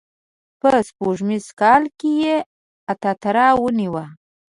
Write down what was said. په سپوږمیز کال کې یې اترار ونیو.